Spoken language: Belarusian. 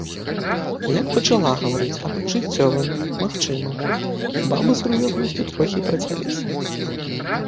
І як пачала гаварыць аб жыццёвым, магчымым, бабы сур'ёзнасцю трохі працяліся.